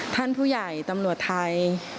ท่านผู้ใหญ่ตำรวจไทย